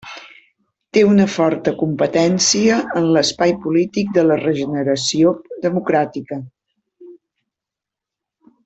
Té una forta competència en l'espai polític de la regeneració democràtica.